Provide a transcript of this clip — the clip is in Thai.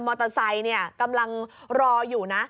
มอเตอร์ไซค์กำลังรออยู่นะ